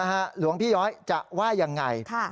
หลวงพี่ย้อยจะว่ายังไง